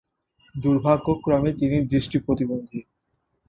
দুর্ভাগ্যক্রমে তিনি দৃষ্টি প্রতিবন্ধী।